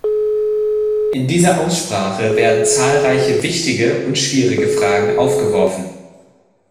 In dieser Aussprache werden zahlreiche wichtige und schwierige Fragen aufgeworfen.